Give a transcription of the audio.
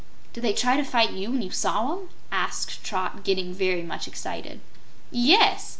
"Did they try to fight you when you saw 'em?" asked Trot, getting very much excited. "Yes.